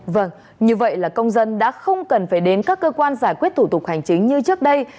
vâng như vậy là công dân đã không cần phải đến các cơ quan giải quyết thủ tục hành chính như trước đây